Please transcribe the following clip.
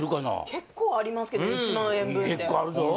結構ありますけど１万円分結構あるぞ